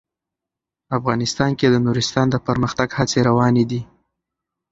افغانستان کې د نورستان د پرمختګ هڅې روانې دي.